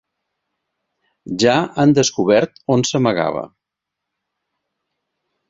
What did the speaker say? Ja han descobert on s'amagava.